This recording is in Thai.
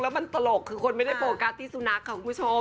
แล้วมันตลกคือคนไม่ได้โฟกัสที่สุนัขค่ะคุณผู้ชม